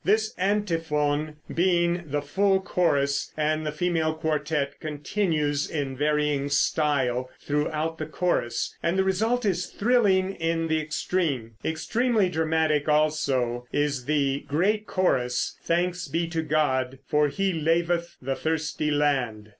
This antiphon between the full chorus and the female quartette continues in varying style throughout the chorus, and the result is thrilling in the extreme. Extremely dramatic, also, is the great chorus "Thanks Be to God, for He Laveth the Thirsty Land."